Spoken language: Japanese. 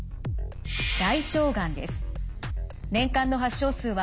大腸がんです。